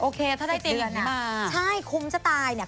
โอเคถ้าได้เตียงแบบนี้มาใช่คุ้มจะตายเนี้ย